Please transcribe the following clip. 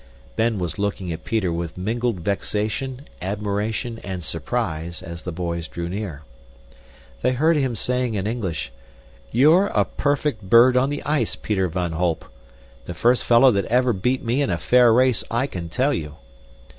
Ben was looking at Peter with mingled vexation, admiration, and surprise as the boys drew near. They heard him saying in English, "You're a perfect bird on the ice, Peter van Holp. The first fellow that ever beat me in a fair race, I can tell you!"